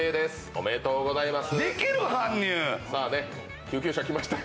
おめでとうございます。